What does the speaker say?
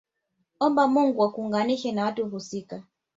Omba Mungu akuunganishe na watu husika